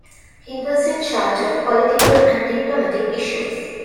He was in charge of political and diplomatic issues.